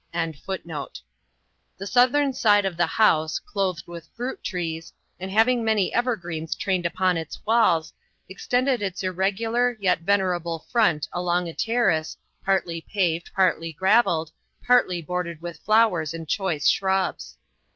] The southern side of the house, clothed with fruit trees, and having many evergreens trained upon its walls, extended its irregular yet venerable front along a terrace, partly paved, partly gravelled, partly bordered with flowers and choice shrubs.